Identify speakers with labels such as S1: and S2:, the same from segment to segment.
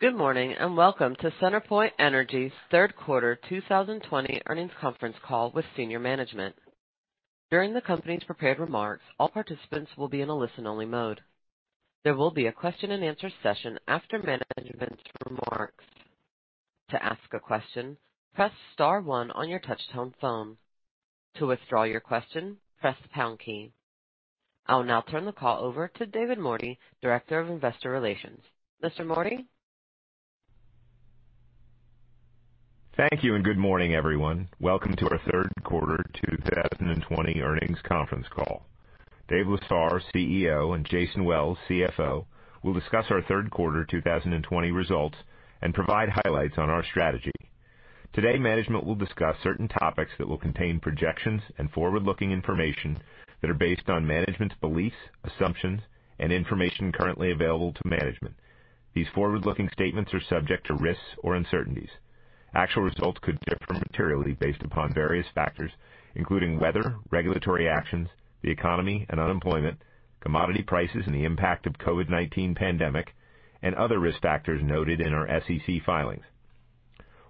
S1: Good morning, and welcome to CenterPoint Energy's third quarter 2020 earnings conference call with senior management. During the company's prepared remarks, all participants will be in a listen-only mode. There will be a question and answer session after management's remarks. I will now turn the call over to David Mordy, director of investor relations. Mr. Mordy?
S2: Thank you, good morning, everyone. Welcome to our third quarter 2020 earnings conference call. Dave Lesar, CEO, and Jason Wells, CFO, will discuss our third quarter 2020 results and provide highlights on our strategy. Today, management will discuss certain topics that will contain projections and forward-looking information that are based on management's beliefs, assumptions, and information currently available to management. These forward-looking statements are subject to risks or uncertainties. Actual results could differ materially based upon various factors, including weather, regulatory actions, the economy and unemployment, commodity prices, and the impact of COVID-19 pandemic, and other risk factors noted in our SEC filings.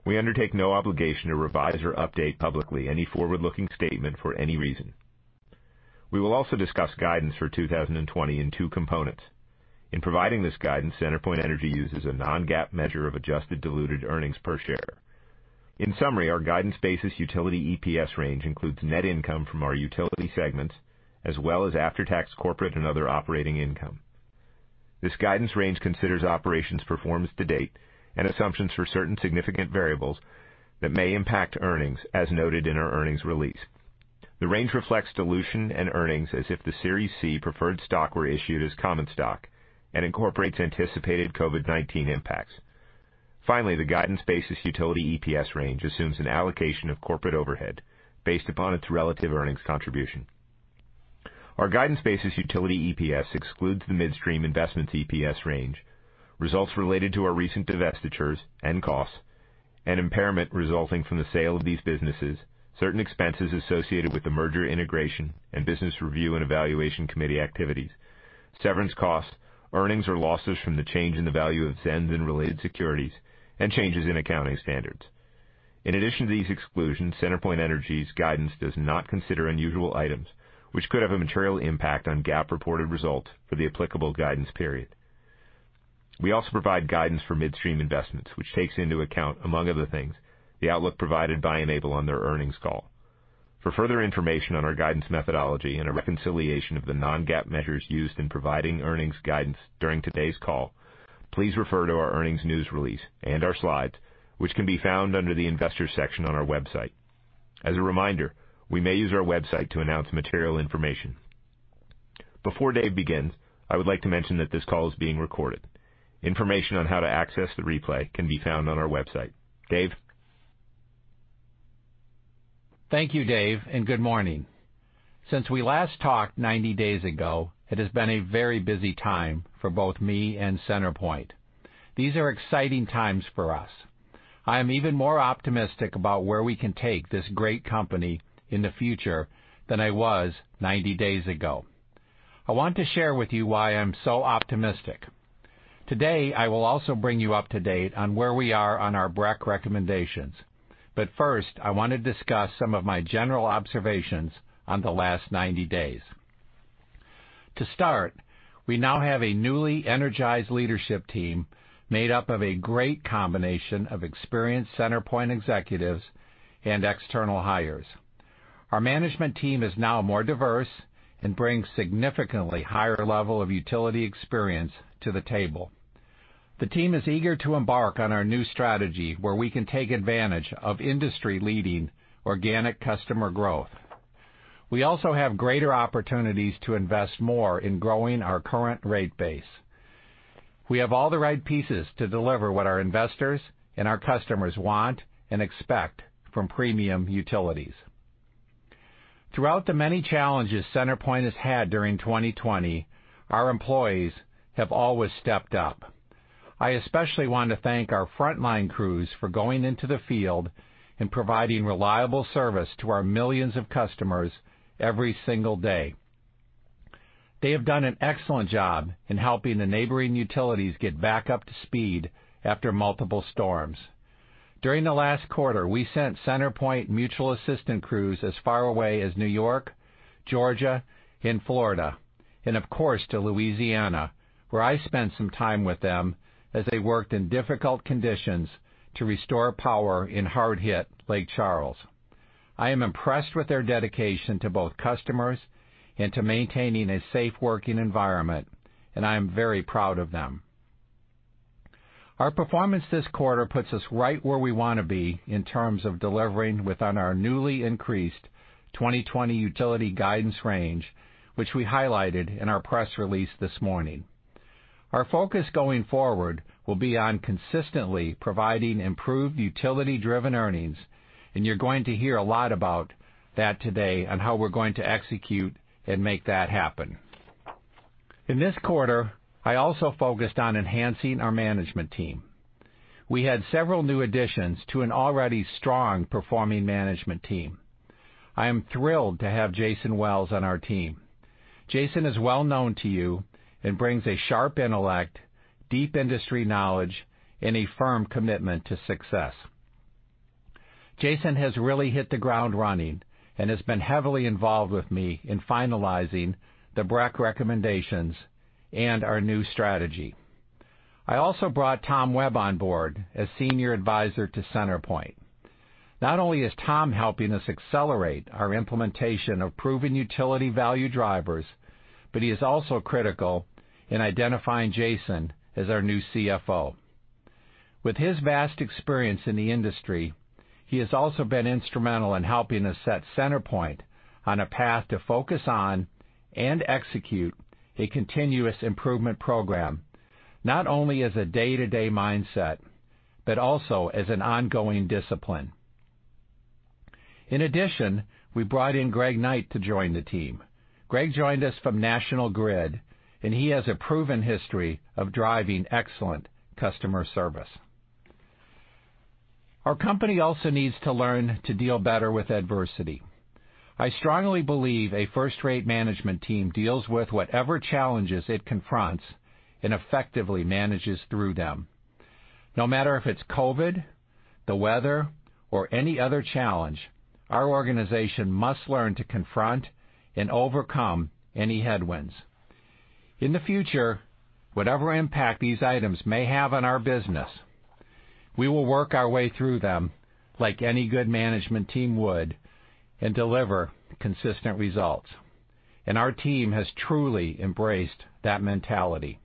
S2: We undertake no obligation to revise or update publicly any forward-looking statement for any reason. We will also discuss guidance for 2020 in two components. In providing this guidance, CenterPoint Energy uses a non-GAAP measure of adjusted diluted earnings per share. In summary, our guidance-based utility EPS range includes net income from our utility segments, as well as after-tax corporate and other operating income. This guidance range considers operations performance to date and assumptions for certain significant variables that may impact earnings, as noted in our earnings release. The range reflects dilution and earnings as if the Series C preferred stock were issued as common stock and incorporates anticipated COVID-19 impacts. Finally, the guidance-based utility EPS range assumes an allocation of corporate overhead based upon its relative earnings contribution. Our guidance-based utility EPS excludes the midstream investments EPS range, results related to our recent divestitures and costs, and impairment resulting from the sale of these businesses, certain expenses associated with the merger integration and business review and evaluation committee activities, severance costs, earnings or losses from the change in the value of ZENS and related securities, and changes in accounting standards. In addition to these exclusions, CenterPoint Energy's guidance does not consider unusual items which could have a material impact on GAAP-reported results for the applicable guidance period. We also provide guidance for midstream investments, which takes into account, among other things, the outlook provided by Enable on their earnings call. For further information on our guidance methodology and a reconciliation of the non-GAAP measures used in providing earnings guidance during today's call, please refer to our earnings news release and our slides, which can be found under the investors section on our website. As a reminder, we may use our website to announce material information. Before Dave begins, I would like to mention that this call is being recorded. Information on how to access the replay can be found on our website. David?
S3: Thank you, David, and good morning. Since we last talked 90 days ago, it has been a very busy time for both me and CenterPoint. These are exciting times for us. I am even more optimistic about where we can take this great company in the future than I was 90 days ago. I want to share with you why I'm so optimistic. Today, I will also bring you up to date on where we are on our BRC recommendations. First, I want to discuss some of my general observations on the last 90 days. To start, we now have a newly energized leadership team made up of a great combination of experienced CenterPoint executives and external hires. Our management team is now more diverse and brings significantly higher level of utility experience to the table. The team is eager to embark on our new strategy, where we can take advantage of industry-leading organic customer growth. We also have greater opportunities to invest more in growing our current rate base. We have all the right pieces to deliver what our investors and our customers want and expect from premium utilities. Throughout the many challenges CenterPoint has had during 2020, our employees have always stepped up. I especially want to thank our frontline crews for going into the field and providing reliable service to our millions of customers every single day. They have done an excellent job in helping the neighboring utilities get back up to speed after multiple storms. During the last quarter, we sent CenterPoint mutual assistant crews as far away as New York, Georgia, and Florida, and of course, to Louisiana, where I spent some time with them as they worked in difficult conditions to restore power in hard-hit Lake Charles. I am impressed with their dedication to both customers and to maintaining a safe working environment, and I am very proud of them. Our performance this quarter puts us right where we want to be in terms of delivering within our newly increased 2020 utility guidance range, which we highlighted in our press release this morning. Our focus going forward will be on consistently providing improved utility-driven earnings, and you're going to hear a lot about that today on how we're going to execute and make that happen. In this quarter, I also focused on enhancing our management team. We had several new additions to an already strong-performing management team. I am thrilled to have Jason Wells on our team. Jason is well known to you and brings a sharp intellect, deep industry knowledge, and a firm commitment to success. Jason has really hit the ground running and has been heavily involved with me in finalizing the BRC recommendations and our new strategy. I also brought Tom Webb on board as senior advisor to CenterPoint Energy. Not only is Tom helping us accelerate our implementation of proven utility value drivers, but he is also critical in identifying Jason as our new CFO. With his vast experience in the industry, he has also been instrumental in helping us set CenterPoint on a path to focus on and execute a continuous improvement program, not only as a day-to-day mindset, but also as an ongoing discipline. In addition, we brought in Greg Knight to join the team. Greg joined us from National Grid, and he has a proven history of driving excellent customer service. Our company also needs to learn to deal better with adversity. I strongly believe a first-rate management team deals with whatever challenges it confronts and effectively manages through them. No matter if it's COVID, the weather, or any other challenge, our organization must learn to confront and overcome any headwinds. In the future, whatever impact these items may have on our business, we will work our way through them like any good management team would and deliver consistent results. Our team has truly embraced that mentality.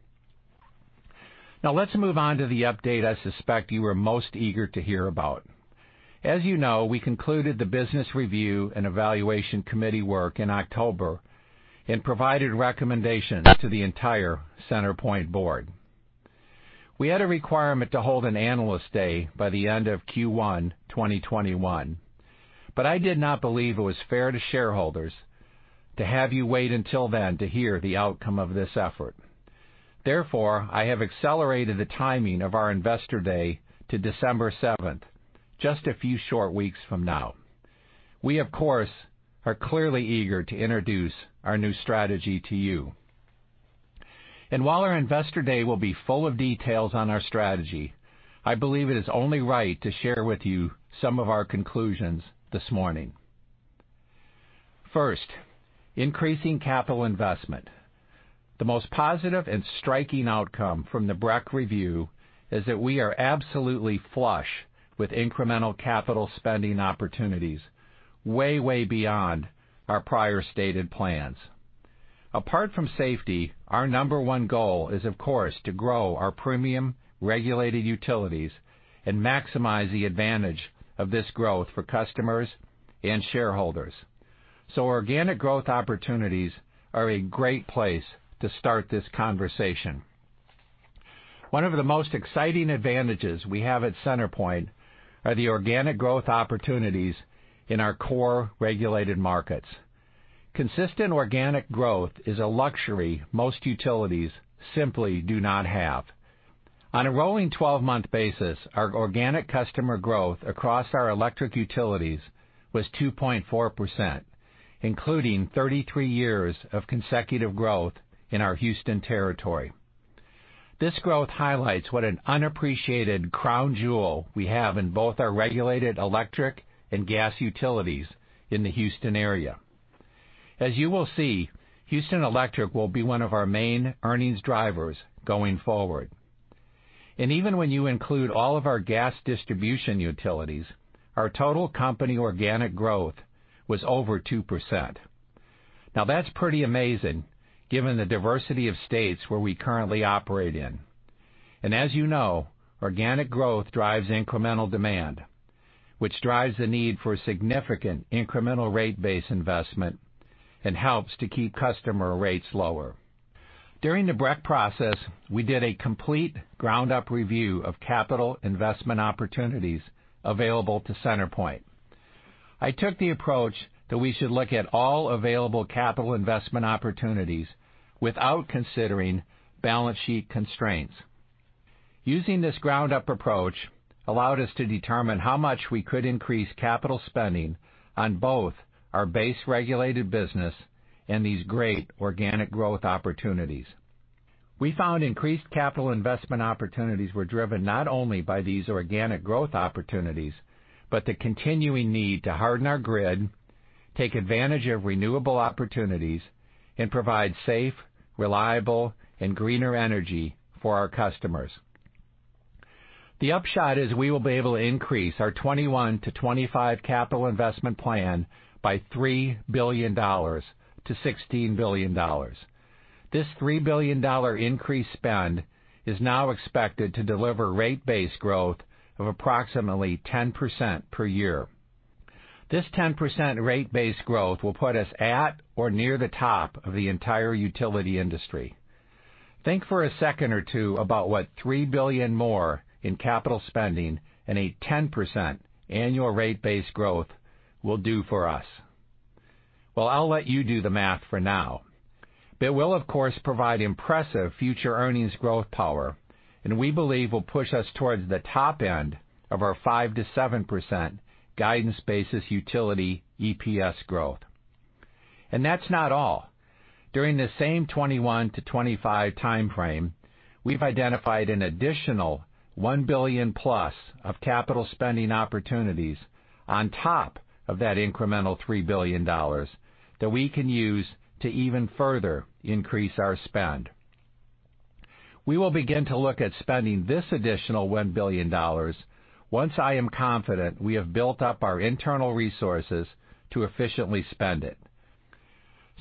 S3: Now let's move on to the update I suspect you are most eager to hear about. As you know, we concluded the business review and evaluation committee work in October and provided recommendations to the entire CenterPoint board. We had a requirement to hold an analyst day by the end of Q1 2021, but I did not believe it was fair to shareholders to have you wait until then to hear the outcome of this effort. Therefore, I have accelerated the timing of our Investor Day to December 7th, just a few short weeks from now. We, of course, are clearly eager to introduce our new strategy to you. While our Investor Day will be full of details on our strategy, I believe it is only right to share with you some of our conclusions this morning. First, increasing capital investment. The most positive and striking outcome from the BRC review is that we are absolutely flush with incremental capital spending opportunities, way beyond our prior stated plans. Apart from safety, our number one goal is, of course, to grow our premium regulated utilities and maximize the advantage of this growth for customers and shareholders. Organic growth opportunities are a great place to start this conversation. One of the most exciting advantages we have at CenterPoint are the organic growth opportunities in our core regulated markets. Consistent organic growth is a luxury most utilities simply do not have. On a rolling 12-month basis, our organic customer growth across our electric utilities was 2.4%, including 33 years of consecutive growth in our Houston territory. This growth highlights what an unappreciated crown jewel we have in both our regulated electric and gas utilities in the Houston area. As you will see, Houston Electric will be one of our main earnings drivers going forward. Even when you include all of our gas distribution utilities, our total company organic growth was over 2%. That's pretty amazing given the diversity of states where we currently operate in. As you know, organic growth drives incremental demand, which drives the need for significant incremental rate base investment and helps to keep customer rates lower. During the BRC process, we did a complete ground-up review of capital investment opportunities available to CenterPoint. I took the approach that we should look at all available capital investment opportunities without considering balance sheet constraints. Using this ground-up approach allowed us to determine how much we could increase capital spending on both our base-regulated business and these great organic growth opportunities. We found increased capital investment opportunities were driven not only by these organic growth opportunities, but the continuing need to harden our grid, take advantage of renewable opportunities, and provide safe, reliable, and greener energy for our customers. The upshot is we will be able to increase our 2021 to 2025 capital investment plan by $3 billion to $16 billion. This $3 billion increased spend is now expected to deliver rate base growth of approximately 10% per year. This 10% rate base growth will put us at or near the top of the entire utility industry. Think for a second or two about what $3 billion more in capital spending and a 10% annual rate base growth will do for us. Well, I'll let you do the math for now. Will, of course, provide impressive future earnings growth power, and we believe will push us towards the top end of our 5%-7% guidance-based utility EPS growth. That's not all. During the same 2021-2025 time frame, we've identified an additional $1 billion-plus of capital spending opportunities on top of that incremental $3 billion that we can use to even further increase our spend. We will begin to look at spending this additional $1 billion, once I am confident we have built up our internal resources to efficiently spend it.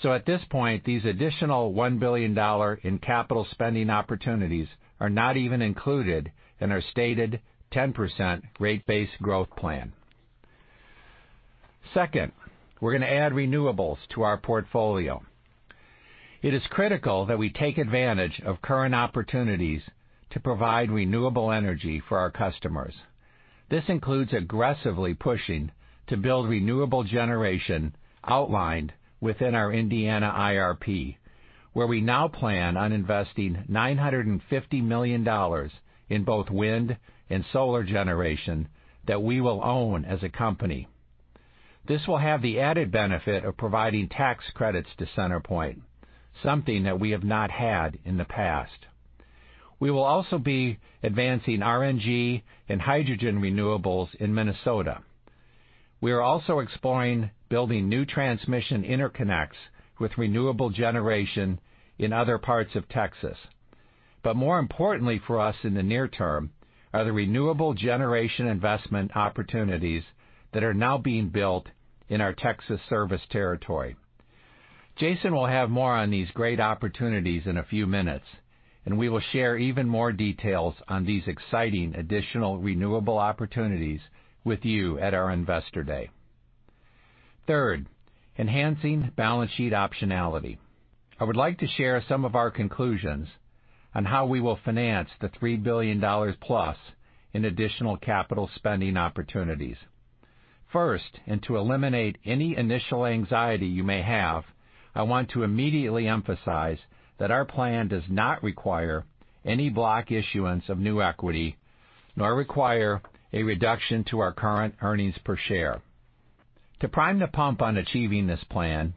S3: At this point, these additional $1 billion in capital spending opportunities are not even included in our stated 10% rate base growth plan. Second, we're going to add renewables to our portfolio. It is critical that we take advantage of current opportunities to provide renewable energy for our customers. This includes aggressively pushing to build renewable generation outlined within our Indiana IRP, where we now plan on investing $950 million in both wind and solar generation that we will own as a company. This will have the added benefit of providing tax credits to CenterPoint, something that we have not had in the past. We will also be advancing RNG and hydrogen renewables in Minnesota. We are also exploring building new transmission interconnects with renewable generation in other parts of Texas. More importantly for us in the near term, are the renewable generation investment opportunities that are now being built in our Texas service territory. Jason will have more on these great opportunities in a few minutes, and we will share even more details on these exciting additional renewable opportunities with you at our Investor Day. Third, enhancing balance sheet optionality. I would like to share some of our conclusions on how we will finance the $3 billion-plus in additional capital spending opportunities. First, and to eliminate any initial anxiety you may have, I want to immediately emphasize that our plan does not require any block issuance of new equity, nor require a reduction to our current earnings per share. To prime the pump on achieving this plan,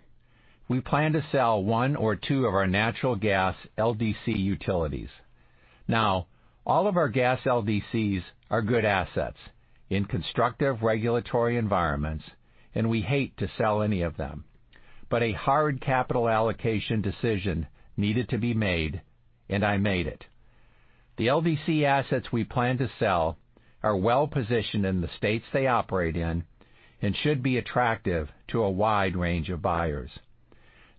S3: we plan to sell one or two of our natural gas LDC utilities. Now, all of our gas LDCs are good assets in constructive regulatory environments, and we hate to sell any of them, but a hard capital allocation decision needed to be made, and I made it. The LDC assets we plan to sell are well-positioned in the states they operate in and should be attractive to a wide range of buyers.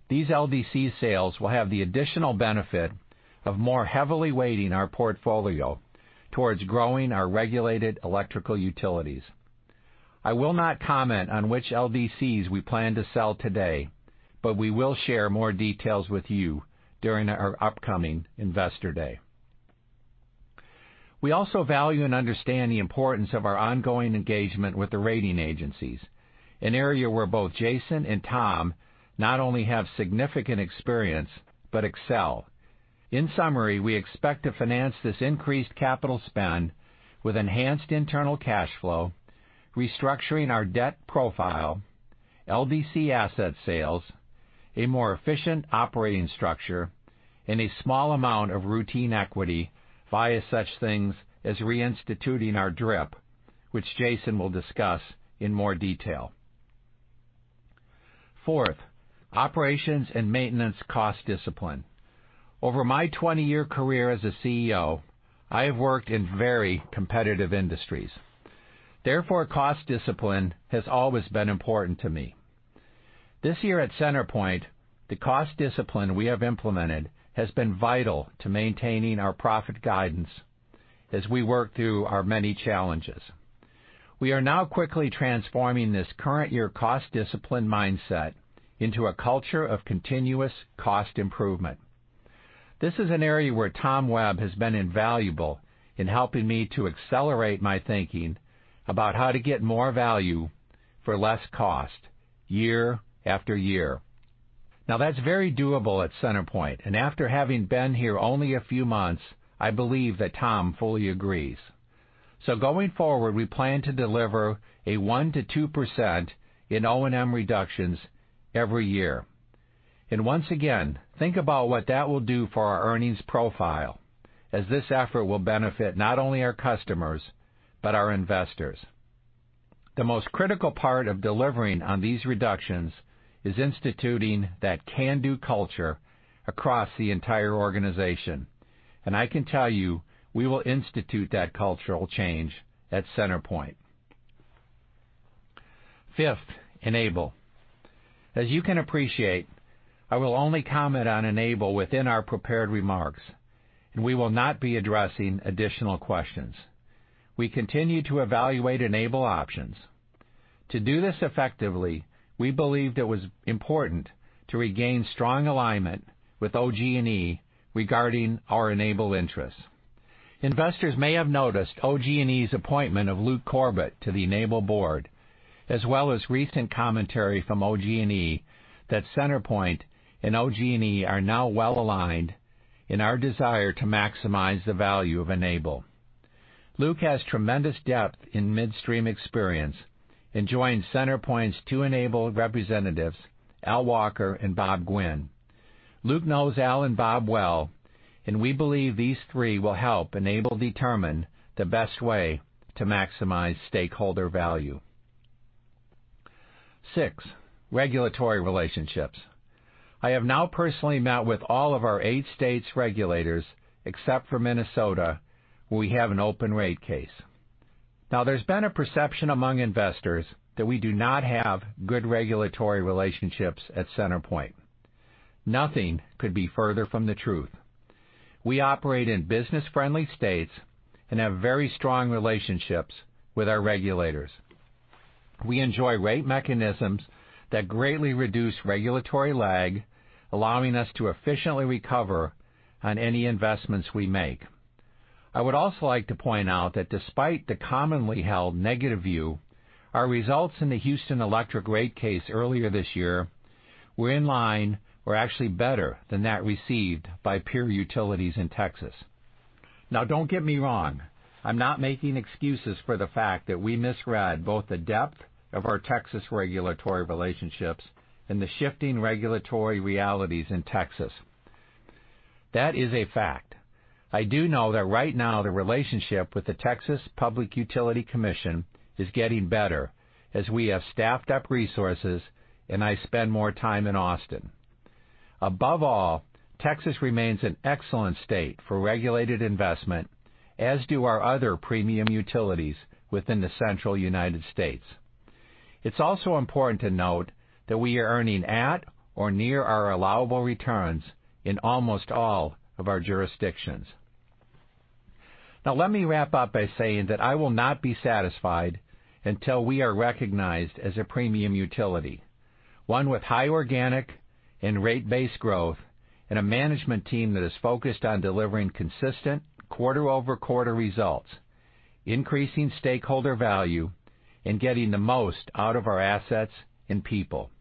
S3: These LDC sales will have the additional benefit of more heavily weighting our portfolio towards growing our regulated electrical utilities. I will not comment on which LDCs we plan to sell today, but we will share more details with you during our upcoming Investor Day. We also value and understand the importance of our ongoing engagement with the rating agencies, an area where both Jason and Tom not only have significant experience, but excel. In summary, we expect to finance this increased capital spend with enhanced internal cash flow, restructuring our debt profile, LDC asset sales, a more efficient operating structure, and a small amount of routine equity via such things as reinstituting our DRIP, which Jason will discuss in more detail. Fourth, operations and maintenance cost discipline. Over my 20-year career as a CEO, I have worked in very competitive industries. Therefore, cost discipline has always been important to me. This year at CenterPoint, the cost discipline we have implemented has been vital to maintaining our profit guidance as we work through our many challenges. We are now quickly transforming this current year cost discipline mindset into a culture of continuous cost improvement. This is an area where Tom Webb has been invaluable in helping me to accelerate my thinking about how to get more value for less cost year after year. That's very doable at CenterPoint, and after having been here only a few months, I believe that Tom fully agrees. Going forward, we plan to deliver a 1%-2% in O&M reductions every year. Once again, think about what that will do for our earnings profile, as this effort will benefit not only our customers, but our investors. The most critical part of delivering on these reductions is instituting that can-do culture across the entire organization. I can tell you, we will institute that cultural change at CenterPoint. Fifth, Enable. As you can appreciate, I will only comment on Enable within our prepared remarks, and we will not be addressing additional questions. We continue to evaluate Enable options. To do this effectively, we believed it was important to regain strong alignment with OG&E regarding our Enable interests. Investors may have noticed OG&E's appointment of Luke Corbett to the Enable board, as well as recent commentary from OG&E that CenterPoint and OG&E are now well-aligned in our desire to maximize the value of Enable. Luke has tremendous depth in midstream experience and joins CenterPoint's two Enable representatives, Al Walker and Bob Gwin. Luke knows Al and Bob well, and we believe these three will help Enable determine the best way to maximize stakeholder value. Sixth. Regulatory relationships. I have now personally met with all of our eight states regulators except for Minnesota, where we have an open rate case. Now there's been a perception among investors that we do not have good regulatory relationships at CenterPoint. Nothing could be further from the truth. We operate in business-friendly states and have very strong relationships with our regulators. We enjoy rate mechanisms that greatly reduce regulatory lag, allowing us to efficiently recover on any investments we make. I would also like to point out that despite the commonly held negative view, our results in the Houston Electric rate case earlier this year were in line or actually better than that received by peer utilities in Texas. Now, don't get me wrong, I'm not making excuses for the fact that we misread both the depth of our Texas regulatory relationships and the shifting regulatory realities in Texas. That is a fact. I do know that right now the relationship with the Texas Public Utility Commission is getting better as we have staffed up resources, and I spend more time in Austin. Above all, Texas remains an excellent state for regulated investment, as do our other premium utilities within the central United States. It's also important to note that we are earning at or near our allowable returns in almost all of our jurisdictions. Now let me wrap up by saying that I will not be satisfied until we are recognized as a premium utility, one with high organic and rate base growth and a management team that is focused on delivering consistent quarter-over-quarter results, increasing stakeholder value, and getting the most out of our assets and people.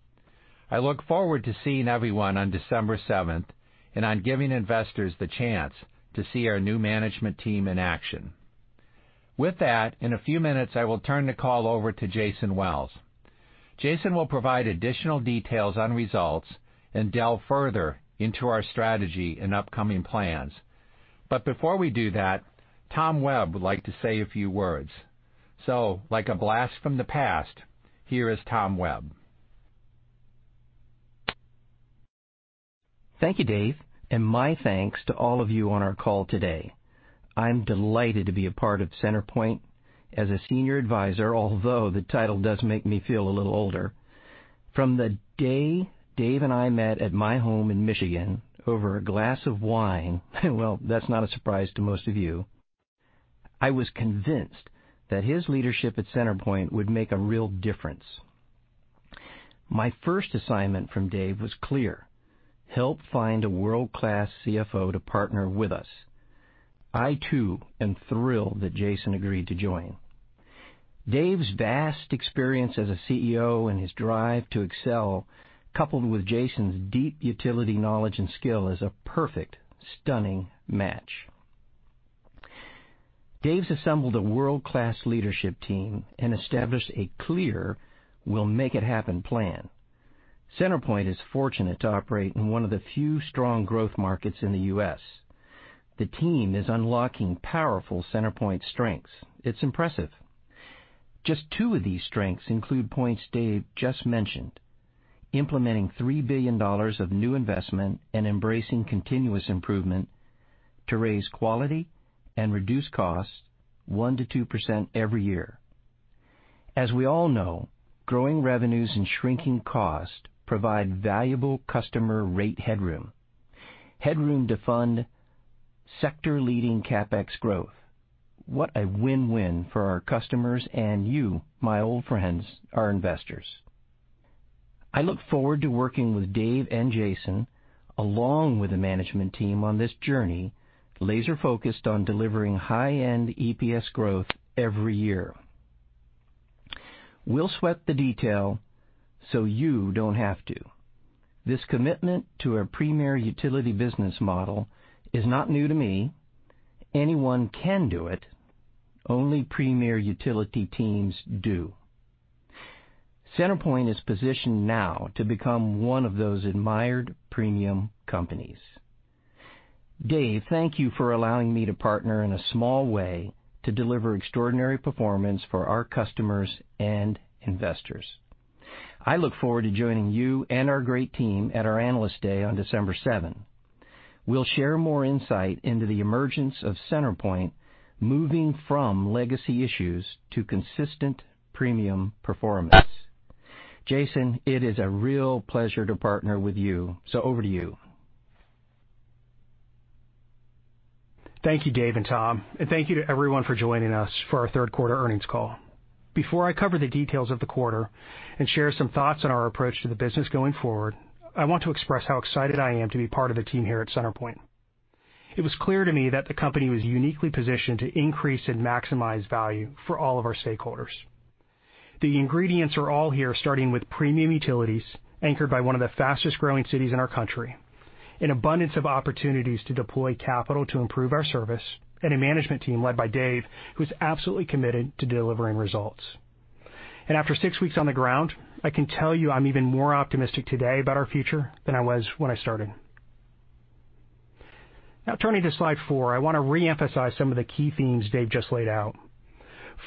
S3: I look forward to seeing everyone on December 7th and on giving investors the chance to see our new management team in action. With that, in a few minutes, I will turn the call over to Jason Wells. Jason will provide additional details on results and delve further into our strategy and upcoming plans. Before we do that, Tom Webb would like to say a few words. Like a blast from the past, here is Tom Webb.
S4: Thank you, Dave, and my thanks to all of you on our call today. I'm delighted to be a part of CenterPoint as a senior advisor, although the title does make me feel a little older. From the day Dave and I met at my home in Michigan over a glass of wine well, that's not a surprise to most of you, I was convinced that his leadership at CenterPoint would make a real difference. My first assignment from Dave was clear: help find a world-class CFO to partner with us. I too am thrilled that Jason agreed to join. Dave's vast experience as a CEO and his drive to excel, coupled with Jason's deep utility knowledge and skill, is a perfect, stunning match. Dave's assembled a world-class leadership team and established a clear we'll-make-it-happen plan. CenterPoint is fortunate to operate in one of the few strong growth markets in the U.S. The team is unlocking powerful CenterPoint strengths. It's impressive. Just two of these strengths include points Dave just mentioned: implementing $3 billion of new investment and embracing continuous improvement to raise quality and reduce costs 1% to 2% every year. As we all know, growing revenues and shrinking costs provide valuable customer rate headroom. Headroom to fund sector-leading CapEx growth. What a win-win for our customers and you, my old friends, our investors. I look forward to working with Dave and Jason along with the management team on this journey, laser-focused on delivering high-end EPS growth every year. We'll sweat the detail so you don't have to. This commitment to a premier utility business model is not new to me. Anyone can do it. Only premier utility teams do. CenterPoint is positioned now to become one of those admired premium companies. Dave, thank you for allowing me to partner in a small way to deliver extraordinary performance for our customers and investors. I look forward to joining you and our great team at our Analyst Day on December 7th. We'll share more insight into the emergence of CenterPoint moving from legacy issues to consistent premium performance. Jason, it is a real pleasure to partner with you. Over to you.
S5: Thank you, Dave and Tom, thank you to everyone for joining us for our third quarter earnings call. Before I cover the details of the quarter and share some thoughts on our approach to the business going forward, I want to express how excited I am to be part of the team here at CenterPoint. It was clear to me that the company was uniquely positioned to increase and maximize value for all of our stakeholders. The ingredients are all here, starting with premium utilities, anchored by one of the fastest-growing cities in our country, an abundance of opportunities to deploy capital to improve our service, and a management team led by Dave, who's absolutely committed to delivering results. After six weeks on the ground, I can tell you I'm even more optimistic today about our future than I was when I started. Now turning to slide four, I want to reemphasize some of the key themes Dave just laid out.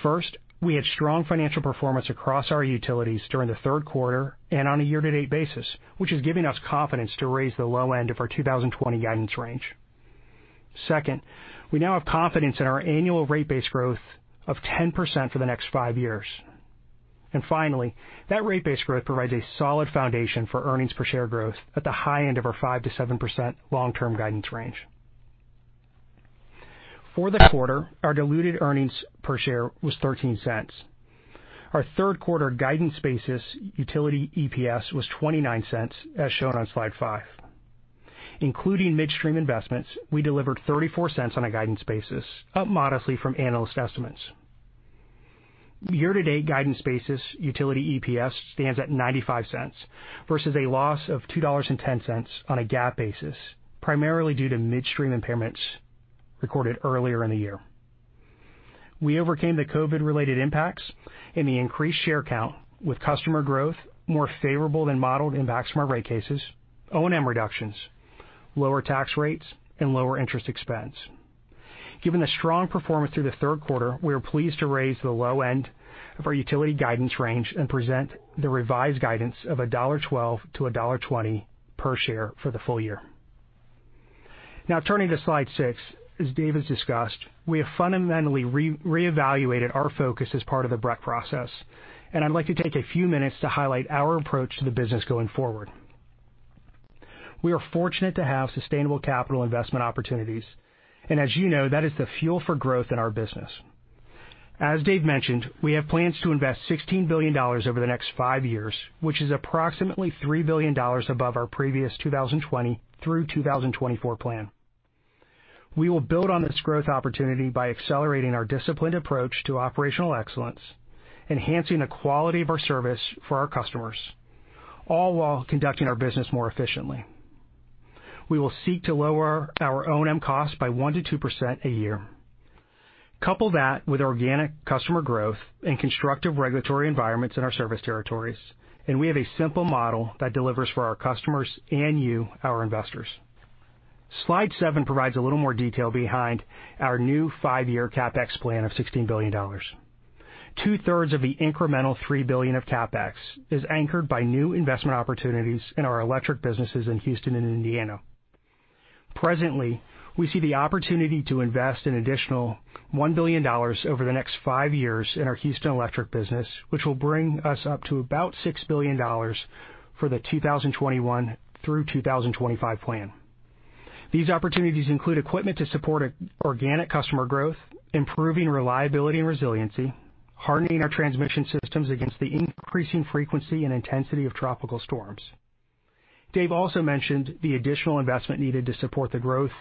S5: First, we had strong financial performance across our utilities during the third quarter and on a year-to-date basis, which is giving us confidence to raise the low end of our 2020 guidance range. Second, we now have confidence in our annual rate base growth of 10% for the next five years. Finally, that rate base growth provides a solid foundation for earnings per share growth at the high end of our 5%-7% long-term guidance range. For the quarter, our diluted earnings per share was $0.13. Our third quarter guidance basis utility EPS was $0.29, as shown on slide five. Including midstream investments, we delivered $0.34 on a guidance basis, up modestly from analyst estimates. Year-to-date guidance basis utility EPS stands at $0.95 versus a loss of $2.10 on a GAAP basis, primarily due to midstream impairments recorded earlier in the year. We overcame the COVID-related impacts and the increased share count with customer growth more favorable than modeled impacts to our rate cases, O&M reductions, lower tax rates, and lower interest expense. Given the strong performance through the third quarter, we are pleased to raise the low end of our utility guidance range and present the revised guidance of $1.12-$1.20 per share for the full year. Now turning to slide six, as Dave has discussed, we have fundamentally reevaluated our focus as part of the BRC process, and I'd like to take a few minutes to highlight our approach to the business going forward. We are fortunate to have sustainable capital investment opportunities. As you know, that is the fuel for growth in our business. As Dave mentioned, we have plans to invest $16 billion over the next five years, which is approximately $3 billion above our previous 2020 through 2024 plan. We will build on this growth opportunity by accelerating our disciplined approach to operational excellence, enhancing the quality of our service for our customers, all while conducting our business more efficiently. We will seek to lower our O&M costs by 1% to 2% a year. Couple that with organic customer growth and constructive regulatory environments in our service territories, we have a simple model that delivers for our customers and you, our investors. Slide seven provides a little more detail behind our new five-year CapEx plan of $16 billion. Two-thirds of the incremental $3 billion of CapEx is anchored by new investment opportunities in our electric businesses in Houston and Indiana. Presently, we see the opportunity to invest an additional $1 billion over the next five years in our Houston Electric Business, which will bring us up to about $6 billion for the 2021 through 2025 plan. These opportunities include equipment to support organic customer growth, improving reliability and resiliency, hardening our transmission systems against the increasing frequency and intensity of tropical storms. Dave also mentioned the additional investment needed to support the growth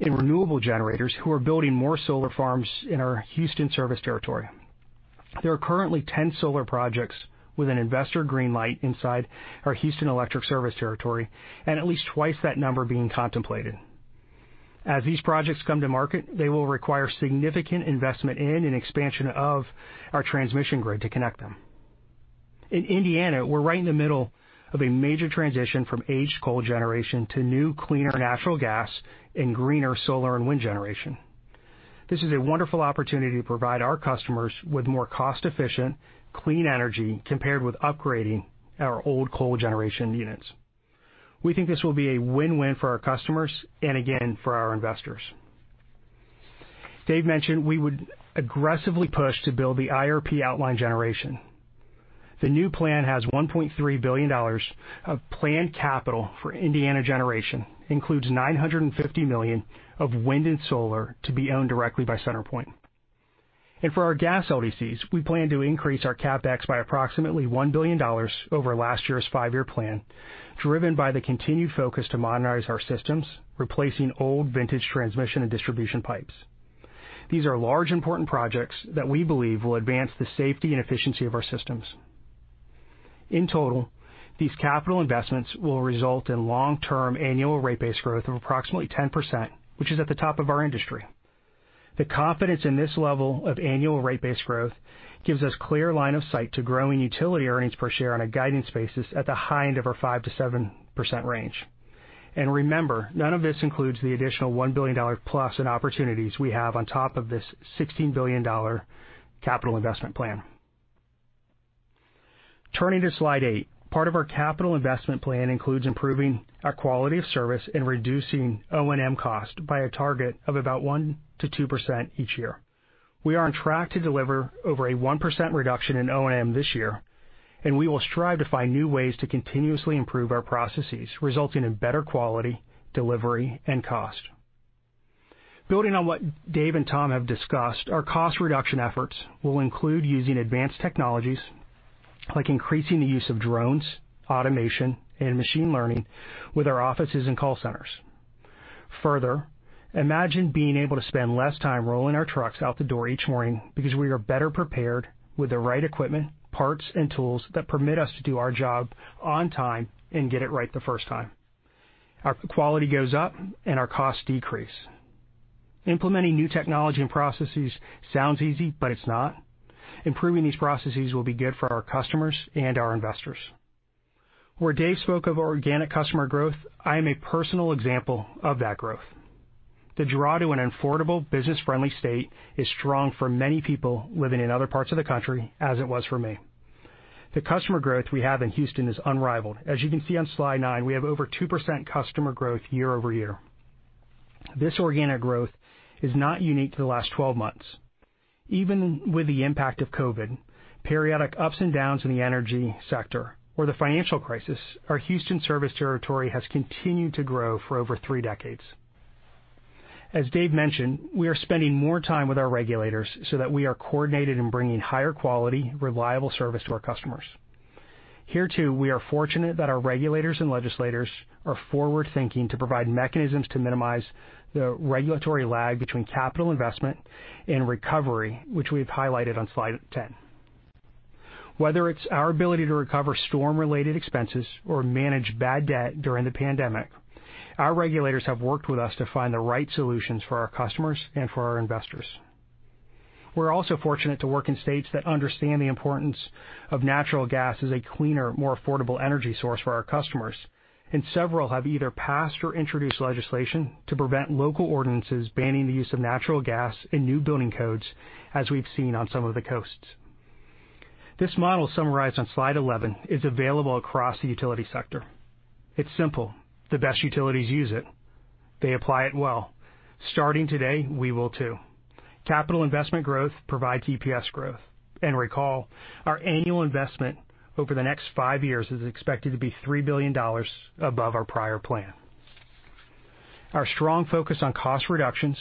S5: in renewable generators who are building more solar farms in our Houston service territory. There are currently 10 solar projects with an investor green light inside our Houston electric service territory, and at least twice that number being contemplated. As these projects come to market, they will require significant investment in an expansion of our transmission grid to connect them. In Indiana, we're right in the middle of a major transition from aged coal generation to new, cleaner natural gas and greener solar and wind generation. This is a wonderful opportunity to provide our customers with more cost-efficient, clean energy compared with upgrading our old coal generation units. We think this will be a win-win for our customers and again for our investors. Dave mentioned we would aggressively push to build the IRP outline generation. The new plan has $1.3 billion of planned capital for Indiana generation, includes $950 million of wind and solar to be owned directly by CenterPoint. For our gas LDCs, we plan to increase our CapEx by approximately $1 billion over last year's five year plan, driven by the continued focus to modernize our systems, replacing old vintage transmission and distribution pipes. These are large, important projects that we believe will advance the safety and efficiency of our systems. In total, these capital investments will result in long-term annual rate base growth of approximately 10%, which is at the top of our industry. The confidence in this level of annual rate base growth gives us clear line of sight to growing utility earnings per share on a guidance basis at the high end of our 5%-7% range. Remember, none of this includes the additional $1 billion-plus in opportunities we have on top of this $16 billion capital investment plan. Turning to slide eight. Part of our capital investment plan includes improving our quality of service and reducing O&M cost by a target of about 1%-2% each year. We are on track to deliver over a 1% reduction in O&M this year. We will strive to find new ways to continuously improve our processes, resulting in better quality, delivery, and cost. Building on what Dave and Tom have discussed, our cost reduction efforts will include using advanced technologies like increasing the use of drones, automation, and machine learning with our offices and call centers. Imagine being able to spend less time rolling our trucks out the door each morning because we are better prepared with the right equipment, parts, and tools that permit us to do our job on time and get it right the first time. Our quality goes up. Our costs decrease. Implementing new technology and processes sounds easy, but it's not. Improving these processes will be good for our customers and our investors. Where Dave spoke of organic customer growth, I am a personal example of that growth. The draw to an affordable, business-friendly state is strong for many people living in other parts of the country, as it was for me. The customer growth we have in Houston is unrivaled. As you can see on slide nine, we have over 2% customer growth year-over-year. This organic growth is not unique to the last 12 months. Even with the impact of COVID, periodic ups and downs in the energy sector or the financial crisis, our Houston service territory has continued to grow for over three decades. As Dave mentioned, we are spending more time with our regulators so that we are coordinated in bringing higher quality, reliable service to our customers. Here too, we are fortunate that our regulators and legislators are forward-thinking to provide mechanisms to minimize the regulatory lag between capital investment and recovery, which we've highlighted on slide 10. Whether it's our ability to recover storm-related expenses or manage bad debt during the pandemic, our regulators have worked with us to find the right solutions for our customers and for our investors. We're also fortunate to work in states that understand the importance of natural gas as a cleaner, more affordable energy source for our customers, and several have either passed or introduced legislation to prevent local ordinances banning the use of natural gas in new building codes, as we've seen on some of the coasts. This model summarized on slide 11 is available across the utility sector. It's simple. The best utilities use it. They apply it well. Starting today, we will too. Capital investment growth provides EPS growth. Recall, our annual investment over the next five years is expected to be $3 billion above our prior plan. Our strong focus on cost reductions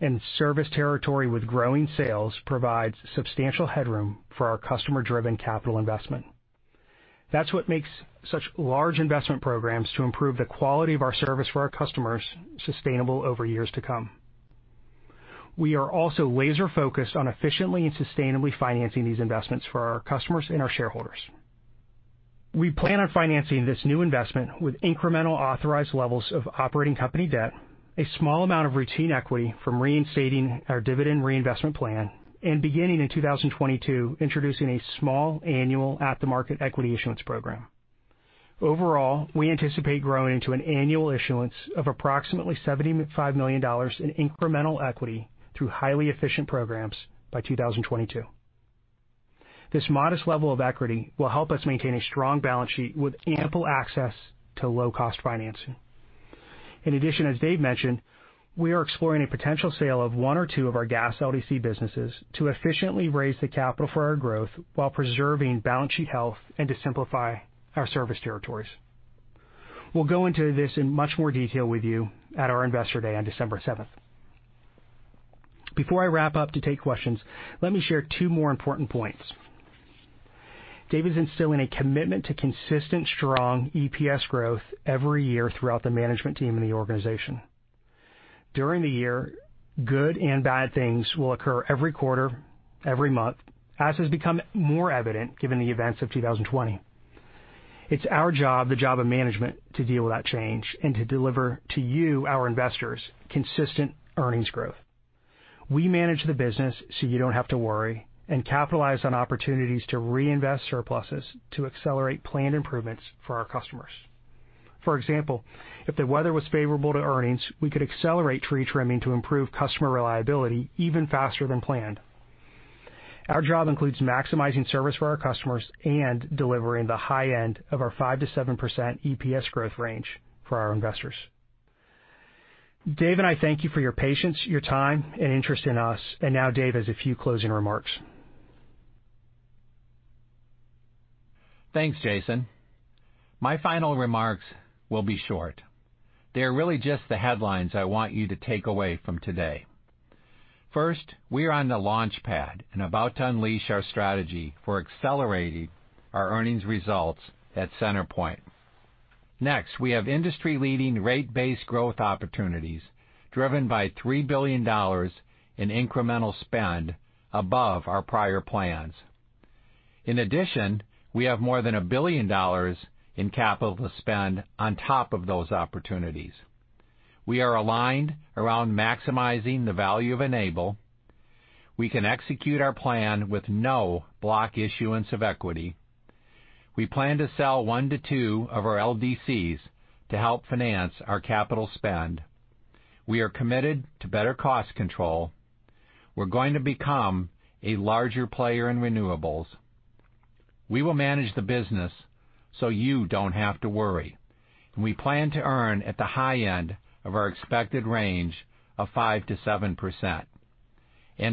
S5: and service territory with growing sales provides substantial headroom for our customer-driven capital investment. That's what makes such large investment programs to improve the quality of our service for our customers sustainable over years to come. We are also laser-focused on efficiently and sustainably financing these investments for our customers and our shareholders. We plan on financing this new investment with incremental authorized levels of operating company debt, a small amount of routine equity from reinstating our dividend reinvestment plan, and beginning in 2022, introducing a small annual at-the-market equity issuance program. Overall, we anticipate growing to an annual issuance of approximately $75 million in incremental equity through highly efficient programs by 2022. This modest level of equity will help us maintain a strong balance sheet with ample access to low-cost financing. In addition, as Dave mentioned, we are exploring a potential sale of one or two of our gas LDC businesses to efficiently raise the capital for our growth while preserving balance sheet health and to simplify our service territories. We'll go into this in much more detail with you at our Investor Day on December 7th. Before I wrap up to take questions, let me share two more important points. Dave is instilling a commitment to consistent, strong EPS growth every year throughout the management team in the organization. During the year, good and bad things will occur every quarter, every month, as has become more evident given the events of 2020. It's our job, the job of management, to deal with that change and to deliver to you, our investors, consistent earnings growth. We manage the business so you don't have to worry, and capitalize on opportunities to reinvest surpluses to accelerate planned improvements for our customers. For example, if the weather was favorable to earnings, we could accelerate tree trimming to improve customer reliability even faster than planned. Our job includes maximizing service for our customers and delivering the high end of our 5%-7% EPS growth range for our investors. Dave and I thank you for your patience, your time, and interest in us. Now Dave has a few closing remarks.
S3: Thanks, Jason. My final remarks will be short. They are really just the headlines I want you to take away from today. First, we are on the launch pad and about to unleash our strategy for accelerating our earnings results at CenterPoint. We have industry-leading rate-based growth opportunities driven by $3 billion in incremental spend above our prior plans. We have more than $1 billion in capital to spend on top of those opportunities. We are aligned around maximizing the value of Enable. We can execute our plan with no block issuance of equity. We plan to sell one to two of our LDCs to help finance our capital spend. We are committed to better cost control. We're going to become a larger player in renewables. We will manage the business so you don't have to worry. We plan to earn at the high end of our expected range of 5%-7%.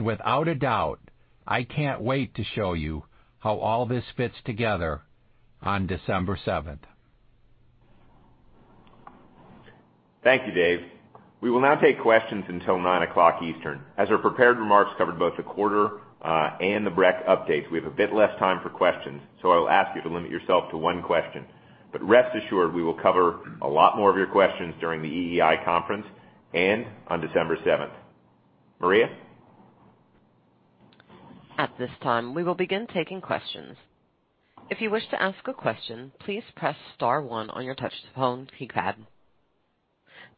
S3: Without a doubt, I can't wait to show you how all this fits together on December 7th.
S2: Thank you, Dave. We will now take questions until 9:00 Eastern. As our prepared remarks covered both the quarter and the BRC updates, we have a bit less time for questions, so I will ask you to limit yourself to one question. Rest assured, we will cover a lot more of your questions during the EEI conference and on December 7th. Maria?
S1: At this time, we will begin taking questions. If you wish to ask a question, please press star one on your touch phone keypad.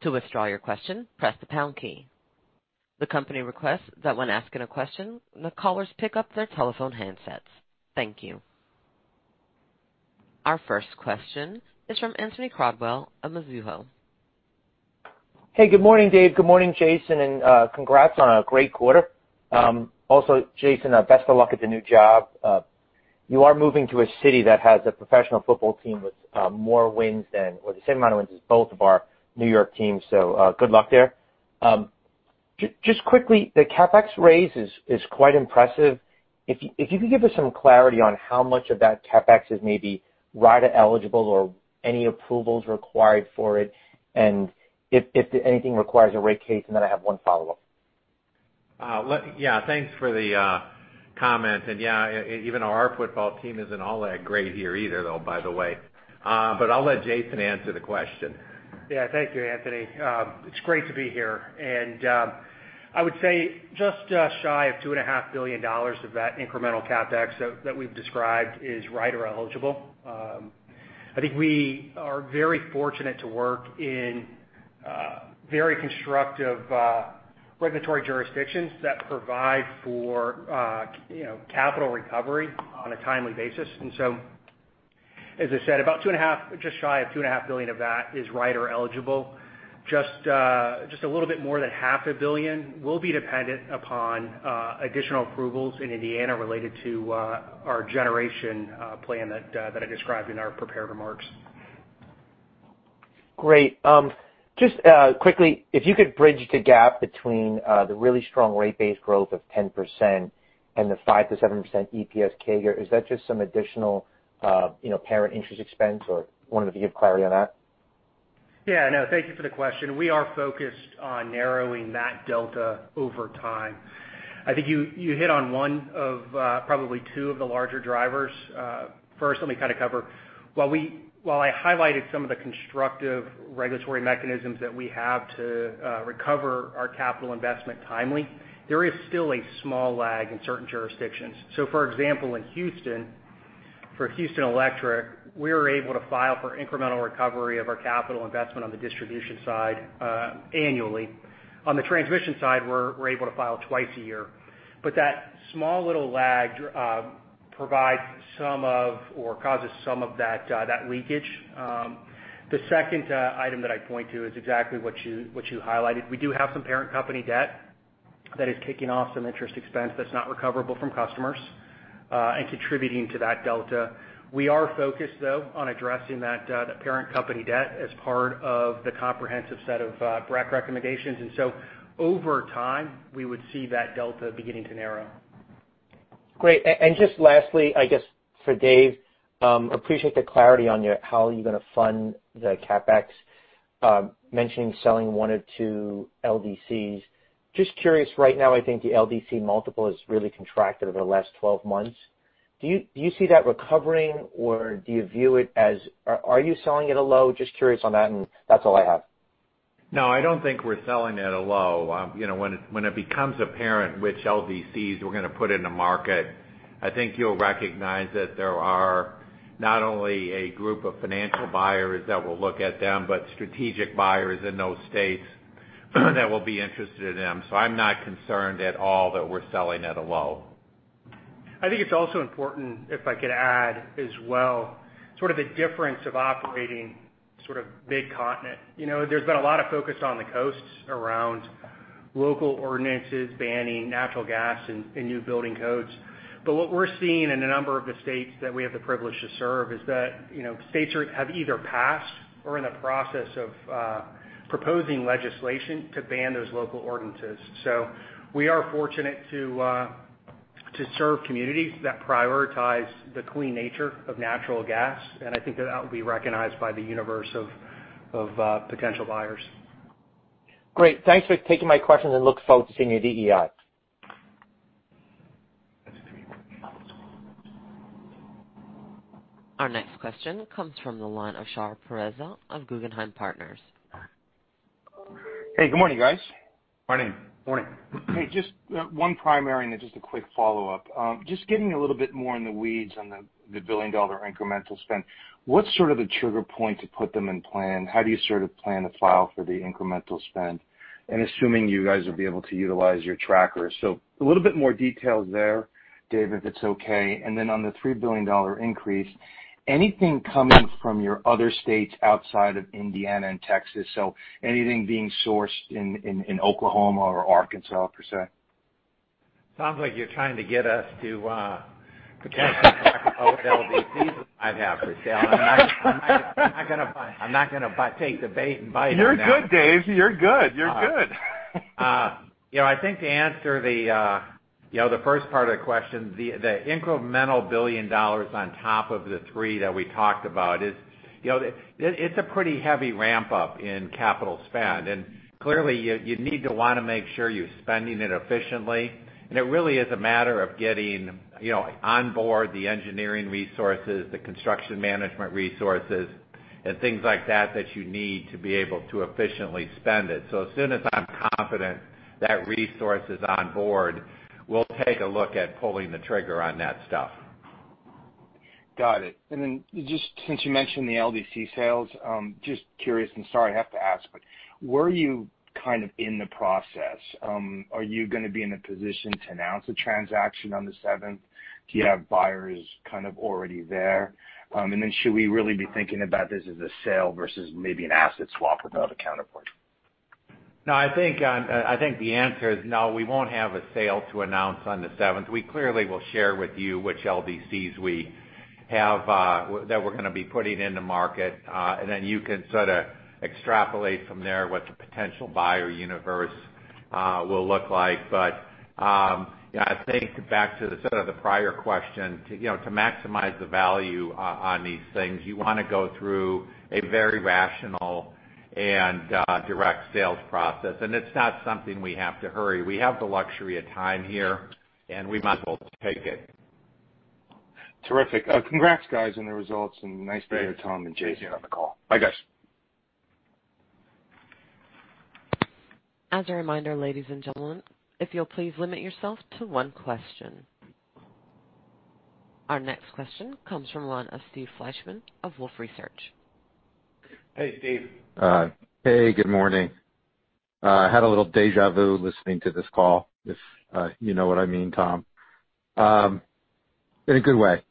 S1: To withdraw your question, press the pound key. The company requests that when asking a question, the callers pick up their telephone handsets. Thank you. Our first question is from Anthony Crowdell of Mizuho.
S6: Hey, good morning, Dave. Good morning, Jason, and congrats on a great quarter. Also, Jason, best of luck at the new job. You are moving to a city that has a professional football team with more wins than, or the same amount of wins as both of our New York teams, so good luck there. Just quickly, the CapEx raise is quite impressive. If you could give us some clarity on how much of that CapEx is maybe rider-eligible or any approvals required for it, and if anything requires a rate case, and then I have one follow-up.
S3: Yeah. Thanks for the comment. Yeah, even our football team isn't all that great here either, though, by the way. I'll let Jason answer the question.
S5: Thank you, Anthony. It's great to be here. I would say just shy of $2.5 billion of that incremental CapEx that we've described is rider-eligible. I think we are very fortunate to work in very constructive regulatory jurisdictions that provide for capital recovery on a timely basis. As I said, about two and a half, just shy of $2.5 billion of that is rider-eligible. Just a little bit more than half a billion will be dependent upon additional approvals in Indiana related to our generation plan that I described in our prepared remarks.
S6: Great. Just quickly, if you could bridge the gap between the really strong rate base growth of 10% and the 5%-7% EPS CAGR, is that just some additional parent interest expense or wanted to give clarity on that?
S5: Yeah, no. Thank you for the question. We are focused on narrowing that delta over time. I think you hit on one of probably two of the larger drivers. First, let me kind of cover. While I highlighted some of the constructive regulatory mechanisms that we have to recover our capital investment timely, there is still a small lag in certain jurisdictions. For example, in Houston, for Houston Electric, we are able to file for incremental recovery of our capital investment on the distribution side annually. On the transmission side, we're able to file twice a year. That small little lag provides some of or causes some of that leakage. The second item that I point to is exactly what you highlighted. We do have some parent company debt that is kicking off some interest expense that's not recoverable from customers and contributing to that delta. We are focused, though, on addressing that parent company debt as part of the comprehensive set of BRC recommendations. Over time, we would see that delta beginning to narrow.
S6: Great. Just lastly, I guess for Dave, appreciate the clarity on how you're going to fund the CapEx, mentioning selling one or two LDCs. Just curious, right now, I think the LDC multiple has really contracted over the last 12 months. Do you see that recovering, or do you view it as, are you selling at a low? Just curious on that. That's all I have.
S3: No, I don't think we're selling at a low. When it becomes apparent which LDCs we're going to put in the market, I think you'll recognize that there are not only a group of financial buyers that will look at them, but strategic buyers in those states that will be interested in them. I'm not concerned at all that we're selling at a low.
S5: I think it's also important, if I could add as well, sort of the difference of operating sort of mid-continent. There's been a lot of focus on the coasts around local ordinances banning natural gas and new building codes. What we're seeing in a number of the states that we have the privilege to serve is that states have either passed or are in the process of proposing legislation to ban those local ordinances. We are fortunate to serve communities that prioritize the clean nature of natural gas, and I think that that will be recognized by the universe of potential buyers.
S6: Great. Thanks for taking my questions and look forward to seeing you at EEI.
S1: Our next question comes from the line of Shar Pourreza of Guggenheim Partners.
S7: Hey, good morning, guys.
S3: Morning.
S5: Morning.
S7: Hey, just one primary and then just a quick follow-up. Getting a little bit more in the weeds on the billion-dollar incremental spend? What's sort of the trigger point to put them in plan? How do you sort of plan to file for the incremental spend? Assuming you guys will be able to utilize your trackers. A little bit more details there, Dave, if it's okay. On the $3 billion increase, anything coming from your other states outside of Indiana and Texas? Anything being sourced in Oklahoma or Arkansas, per se?
S3: Sounds like you're trying to get us potential LDCs that I have for sale. I'm not going to take the bait and bite it now.
S5: You're good, Dave. You're good.
S3: I think to answer. Yeah. The first part of the question, the incremental $1 billion on top of the three that we talked about is, it's a pretty heavy ramp-up in capital spend. Clearly, you need to want to make sure you're spending it efficiently. It really is a matter of getting on board the engineering resources, the construction management resources, and things like that that you need to be able to efficiently spend it. As soon as I'm confident that resource is on board, we'll take a look at pulling the trigger on that stuff.
S7: Got it. Just since you mentioned the LDC sales, just curious, and sorry I have to ask, but were you kind of in the process? Are you going to be in a position to announce a transaction on the 7th? Do you have buyers kind of already there? Should we really be thinking about this as a sale versus maybe an asset swap with another counterparty?
S3: No, I think the answer is no. We won't have a sale to announce on the 7th. We clearly will share with you which LDCs that we're going to be putting in the market, and then you can sort of extrapolate from there what the potential buyer universe will look like. I think back to the sort of the prior question, to maximize the value on these things, you want to go through a very rational and direct sales process. It's not something we have to hurry. We have the luxury of time here, and we might as well take it.
S7: Terrific. Congrats guys on the results and nice to hear Tom and Jason on the call. Bye guys.
S1: As a reminder, ladies and gentlemen, if you'll please limit yourself to one question. Our next question comes from the line of Steve Fleishman of Wolfe Research.
S3: Hey, Steve.
S8: Hey, good morning. Had a little deja vu listening to this call, if you know what I mean, Tom. In a good way.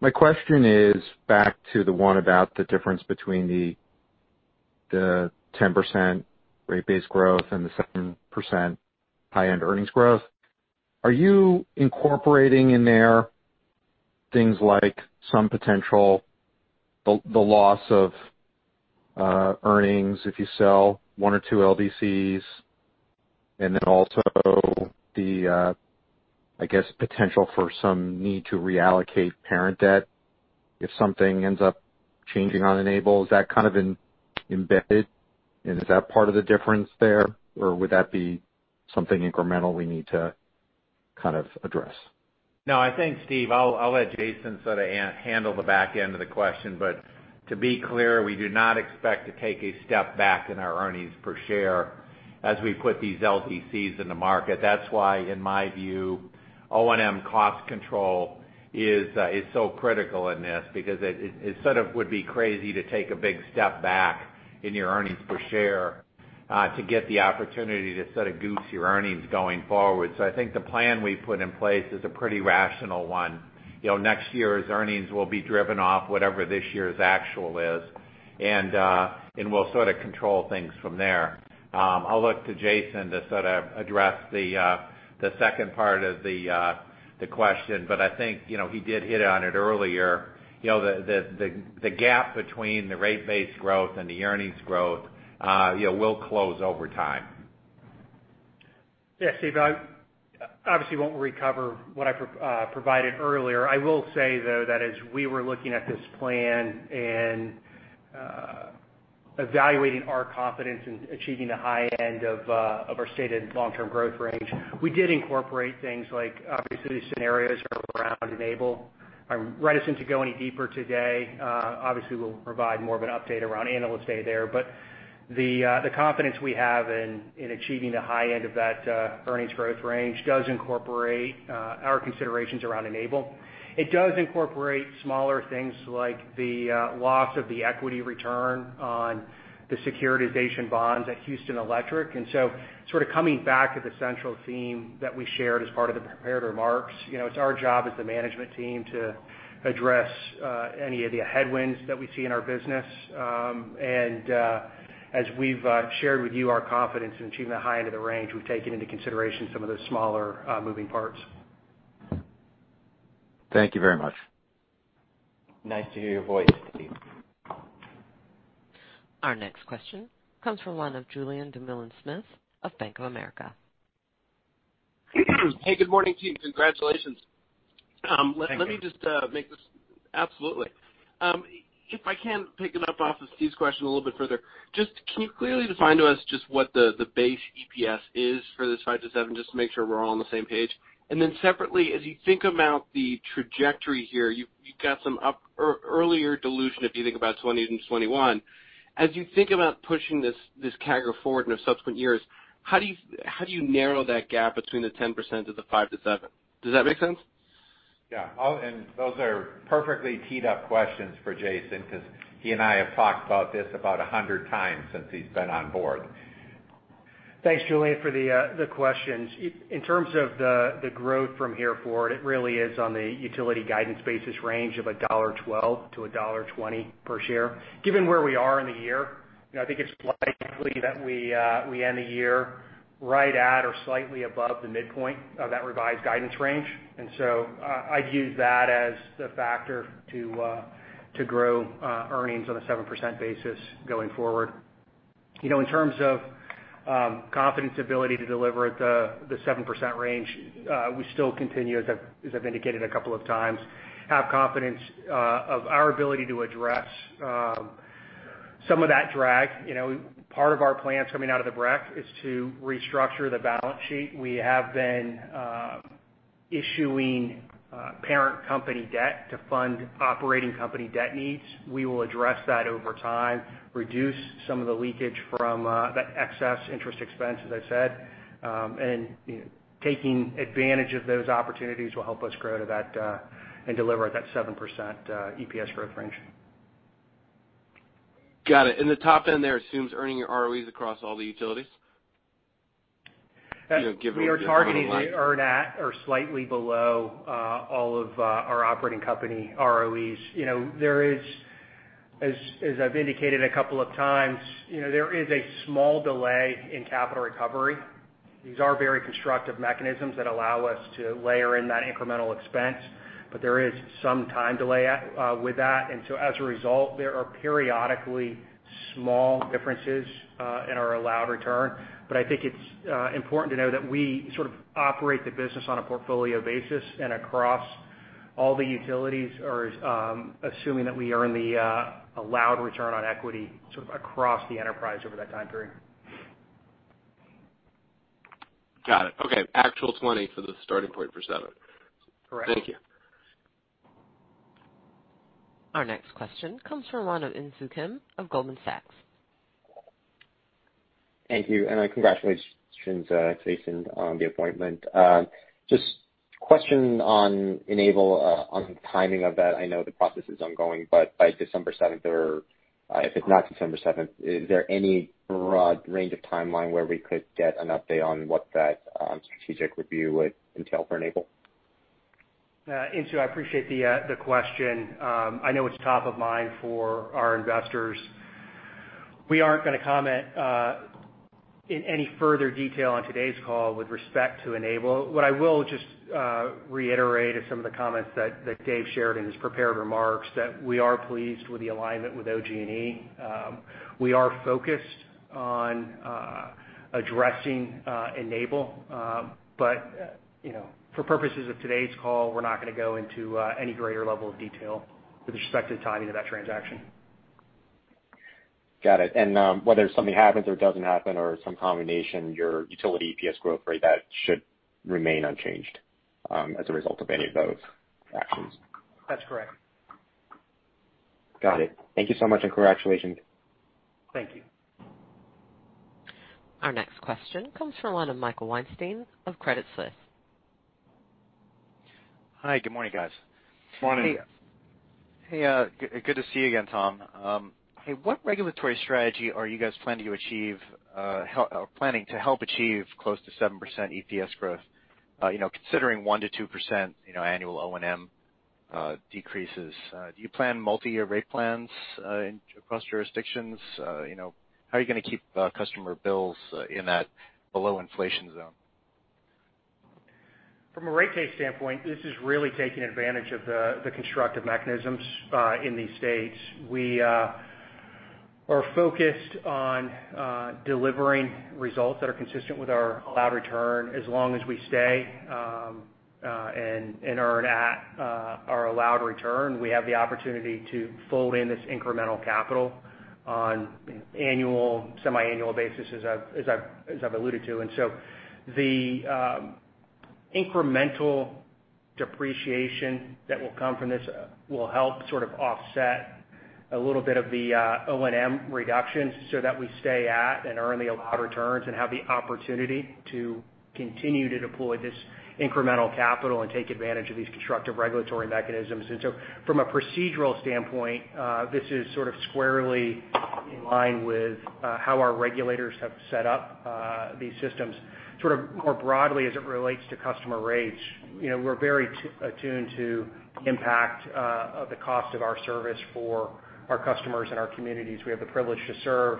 S8: My question is back to the one about the difference between the 10% rate base growth and the 7% high-end earnings growth. Are you incorporating in there things like some potential, the loss of earnings if you sell one or two LDCs, and then also the, I guess, potential for some need to reallocate parent debt if something ends up changing on Enable? Is that kind of embedded? Is that part of the difference there? Would that be something incremental we need to kind of address?
S3: I think, Steve, I'll let Jason sort of handle the back end of the question. To be clear, we do not expect to take a step back in our earnings per share as we put these LDCs in the market. That's why, in my view, O&M cost control is so critical in this because it sort of would be crazy to take a big step back in your earnings per share to get the opportunity to sort of goose your earnings going forward. I think the plan we've put in place is a pretty rational one. Next year's earnings will be driven off whatever this year's actual is, and we'll sort of control things from there. I'll look to Jason to sort of address the second part of the question, I think he did hit on it earlier. The gap between the rate base growth and the earnings growth will close over time.
S5: Steve, I obviously won't recover what I provided earlier. I will say, though, that as we were looking at this plan and evaluating our confidence in achieving the high end of our stated long-term growth range, we did incorporate things like, obviously, the scenarios around Enable. I'm reticent to go any deeper today. Obviously, we'll provide more of an update around Analyst Day there. The confidence we have in achieving the high end of that earnings growth range does incorporate our considerations around Enable. It does incorporate smaller things like the loss of the equity return on the securitization bonds at Houston Electric. Sort of coming back to the central theme that we shared as part of the prepared remarks, it's our job as the management team to address any of the headwinds that we see in our business. As we've shared with you our confidence in achieving the high end of the range, we've taken into consideration some of those smaller moving parts.
S8: Thank you very much.
S3: Nice to hear your voice, Steve.
S1: Our next question comes from the line of Julien Dumoulin-Smith of Bank of America.
S9: Hey, good morning, team. Congratulations.
S3: Thank you.
S9: Let me just make this absolutely. If I can pick it up off of Steve's question a little bit further, just can you clearly define to us just what the base EPS is for this 5%-7% just to make sure we're all on the same page? Separately, as you think about the trajectory here, you've got some earlier dilution if you think about 2020 and 2021. As you think about pushing this CAGR forward into subsequent years, how do you narrow that gap between the 10% to the 5%-7%? Does that make sense?
S3: Yeah. Those are perfectly teed-up questions for Jason because he and I have talked about this about 100 times since he's been on board.
S5: Thanks, Julien, for the questions. In terms of the growth from here forward, it really is on the utility guidance basis range of $1.12-$1.20 per share. Given where we are in the year, I think it's likely that we end the year right at or slightly above the midpoint of that revised guidance range. I'd use that as the factor to grow earnings on a 7% basis going forward. In terms of confidence ability to deliver at the 7% range, we still continue, as I've indicated a couple of times, have confidence of our ability to address some of that drag. Part of our plans coming out of the BRC is to restructure the balance sheet. We have been issuing parent company debt to fund operating company debt needs. We will address that over time, reduce some of the leakage from that excess interest expense, as I said, and taking advantage of those opportunities will help us grow to that, and deliver at that 7% EPS growth range.
S9: Got it. The top end there assumes earning your ROEs across all the utilities?
S5: We are targeting to earn at or slightly below all of our operating company ROEs. As I've indicated a couple of times, there is a small delay in capital recovery. These are very constructive mechanisms that allow us to layer in that incremental expense, but there is some time delay with that. As a result, there are periodically small differences in our allowed return. I think it's important to know that we sort of operate the business on a portfolio basis and across all the utilities, or assuming that we earn the allowed return on equity, sort of across the enterprise over that time period.
S9: Got it. Okay. Actual 20 for the starting point for seven.
S5: Correct.
S9: Thank you.
S1: Our next question comes from the line of Insoo Kim of Goldman Sachs.
S10: Thank you, and congratulations, Jason, on the appointment. I have a question on Enable, on timing of that. I know the process is ongoing. By December 7th or, if it's not December 7th, is there any broad range of timeline where we could get an update on what that strategic review would entail for Enable?
S5: Insoo, I appreciate the question. I know it's top of mind for our investors. We aren't going to comment in any further detail on today's call with respect to Enable. What I will just reiterate is some of the comments that Dave shared in his prepared remarks, that we are pleased with the alignment with OG&E. We are focused on addressing Enable. For purposes of today's call, we're not going to go into any greater level of detail with respect to the timing of that transaction.
S10: Got it. Whether something happens or doesn't happen or some combination, your utility EPS growth rate, that should remain unchanged as a result of any of those actions?
S5: That's correct.
S10: Got it. Thank you so much, and congratulations.
S5: Thank you.
S1: Our next question comes from the line of Michael Weinstein of Credit Suisse.
S11: Hi, good morning, guys.
S5: Morning.
S11: Hey. Good to see you again, Tom. Hey, what regulatory strategy are you guys planning to help achieve close to 7% EPS growth? Considering one to 2% annual O&M decreases. Do you plan multi-year rate plans across jurisdictions? How are you going to keep customer bills in that below inflation zone?
S5: From a rate case standpoint, this is really taking advantage of the constructive mechanisms in these states. We are focused on delivering results that are consistent with our allowed return as long as we stay and earn at our allowed return. We have the opportunity to fold in this incremental capital on annual, semi-annual basis as I've alluded to. The incremental depreciation that will come from this will help sort of offset a little bit of the O&M reductions so that we stay at and earn the allowed returns and have the opportunity to continue to deploy this incremental capital and take advantage of these constructive regulatory mechanisms. From a procedural standpoint, this is sort of squarely in line with how our regulators have set up these systems. Sort of more broadly as it relates to customer rates, we're very attuned to impact of the cost of our service for our customers and our communities we have the privilege to serve.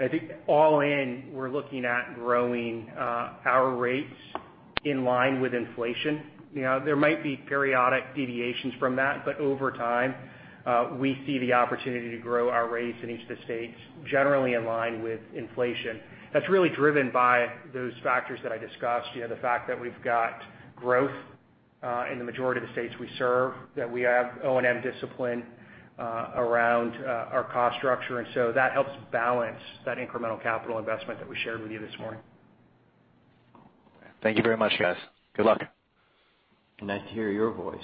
S5: I think all in, we're looking at growing our rates in line with inflation. There might be periodic deviations from that, but over time, we see the opportunity to grow our rates in each of the states generally in line with inflation. That's really driven by those factors that I discussed. The fact that we've got growth in the majority of the states we serve, that we have O&M discipline around our cost structure. That helps balance that incremental capital investment that we shared with you this morning.
S11: Thank you very much, guys. Good luck.
S5: Nice to hear your voice.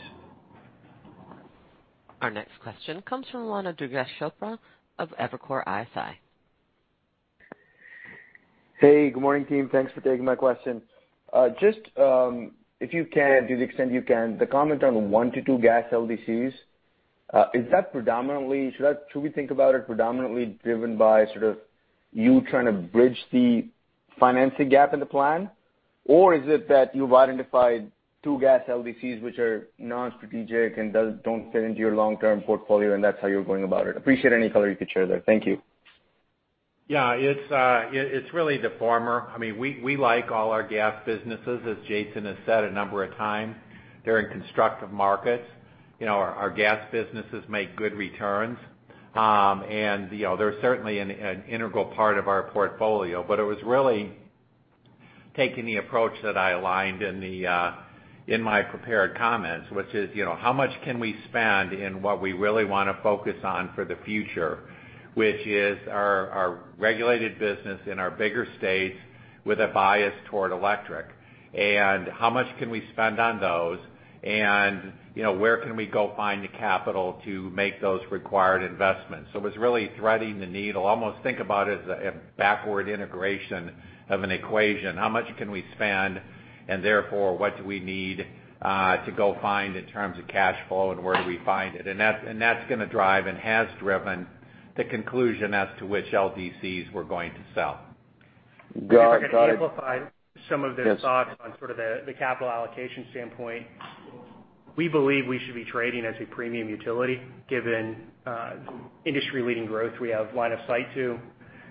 S1: Our next question comes from the line of Durgesh Chopra of Evercore ISI.
S12: Hey, good morning team. Thanks for taking my question. Just if you can, to the extent you can, the comment on one to two gas LDCs, should we think about it predominantly driven by sort of you trying to bridge the financing gap in the plan? Or is it that you've identified two gas LDCs which are non-strategic and don't fit into your long-term portfolio and that's how you're going about it? Appreciate any color you could share there. Thank you.
S3: Yeah. It's really the former. We like all our gas businesses, as Jason has said a number of times. They're in constructive markets. Our gas businesses make good returns. They're certainly an integral part of our portfolio, but it was really taking the approach that I aligned in my prepared comments, which is, how much can we spend in what we really want to focus on for the future? Which is our regulated business in our bigger states with a bias toward electric. How much can we spend on those? Where can we go find the capital to make those required investments? It was really threading the needle. Almost think about it as a backward integration of an equation. How much can we spend, and therefore, what do we need to go find in terms of cash flow, and where do we find it? That's going to drive, and has driven, the conclusion as to which LDCs we're going to sell.
S12: Guys, could I-.
S5: To amplify some of those thoughts.
S12: Yes.
S5: On sort of the capital allocation standpoint. We believe we should be trading as a premium utility, given industry-leading growth we have line of sight to,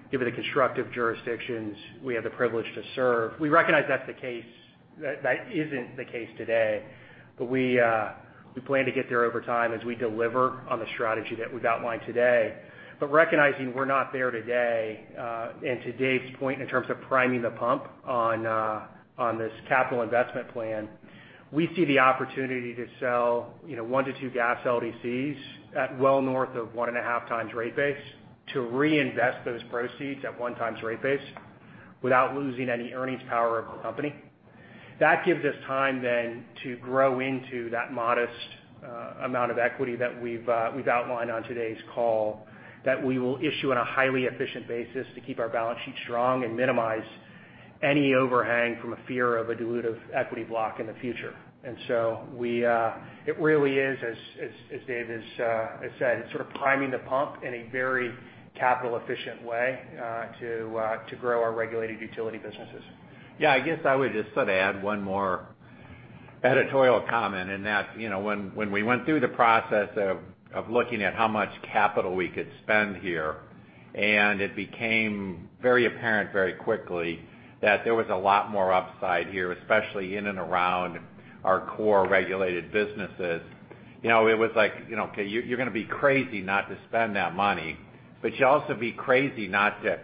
S5: given the constructive jurisdictions we have the privilege to serve. We recognize that isn't the case today. We plan to get there over time as we deliver on the strategy that we've outlined today. Recognizing we're not there today, and to Dave's point, in terms of priming the pump on this capital investment plan, we see the opportunity to sell one to two gas LDCs at well north of 1.5 times rate base to reinvest those proceeds at one time rate base without losing any earnings power of the company. That gives us time, then, to grow into that modest amount of equity that we've outlined on today's call that we will issue on a highly efficient basis to keep our balance sheet strong and minimize any overhang from a fear of a dilutive equity block in the future. It really is, as Dave has said, it's sort of priming the pump in a very capital efficient way to grow our regulated utility businesses.
S3: Yeah, I guess I would just add one more editorial comment in that, when we went through the process of looking at how much capital we could spend here, and it became very apparent very quickly that there was a lot more upside here, especially in and around our core regulated businesses. It was like, okay, you're going to be crazy not to spend that money. You'd also be crazy not to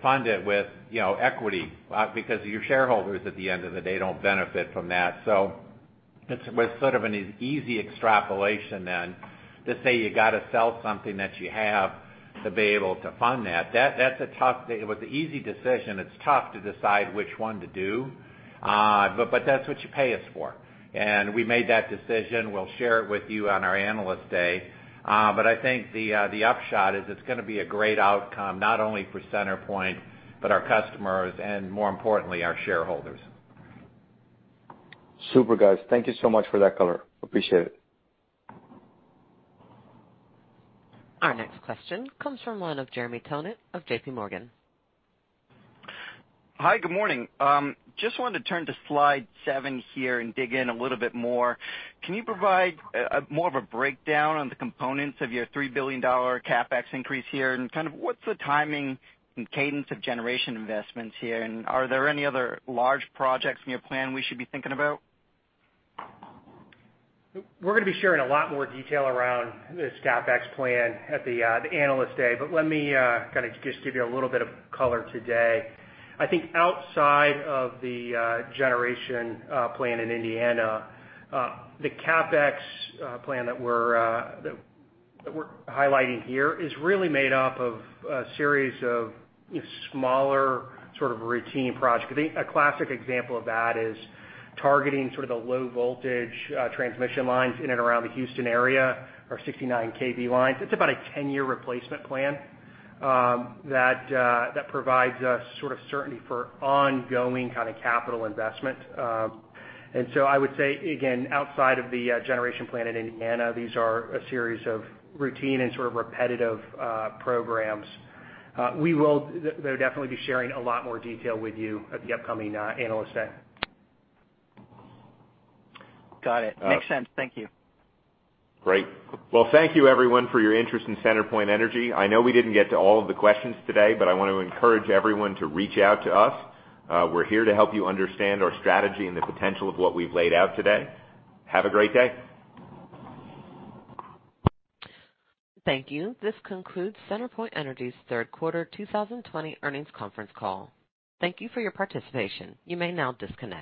S3: fund it with equity because your shareholders, at the end of the day, don't benefit from that. It was sort of an easy extrapolation then to say you got to sell something that you have to be able to fund that. It was an easy decision. It's tough to decide which one to do. That's what you pay us for. We made that decision. We'll share it with you on our Analyst Day. I think the upshot is it's going to be a great outcome, not only for CenterPoint, but our customers and more importantly, our shareholders.
S12: Super, guys. Thank you so much for that color. Appreciate it.
S1: Our next question comes from the line of Jeremy Tonet of JPMorgan.
S13: Hi, good morning. Just wanted to turn to slide seven here and dig in a little bit more. Can you provide more of a breakdown on the components of your $3 billion CapEx increase here? What's kind of the timing and cadence of generation investments here, and are there any other large projects in your plan we should be thinking about?
S5: We're going to be sharing a lot more detail around this CapEx plan at the Analyst Day, but let me kind of just give you a little bit of color today. I think outside of the generation plan in Indiana, the CapEx plan that we're highlighting here is really made up of a series of smaller sort of routine projects. I think a classic example of that is targeting sort of the low voltage transmission lines in and around the Houston area, our 69 kV lines. It's about a 10-year replacement plan that provides us sort of certainty for ongoing kind of capital investment. I would say, again, outside of the generation plan in Indiana, these are a series of routine and sort of repetitive programs. We will definitely be sharing a lot more detail with you at the upcoming Analyst Day.
S13: Got it. Makes sense. Thank you.
S3: Great. Well, thank you everyone for your interest in CenterPoint Energy. I know we didn't get to all of the questions today, but I want to encourage everyone to reach out to us. We're here to help you understand our strategy and the potential of what we've laid out today. Have a great day.
S1: Thank you. This concludes CenterPoint Energy's third quarter 2020 earnings conference call. Thank you for your participation. You may now disconnect.